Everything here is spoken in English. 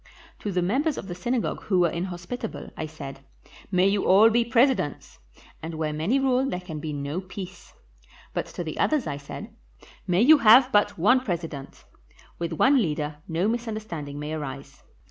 To the members of the synagogue who were inhospitable, I said, 'May you all be presidents,' and where many rule there can be no peace; but to the others I said, 'May you have but one president'; with one leader no misunderstanding may arise.